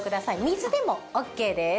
水でもＯＫです。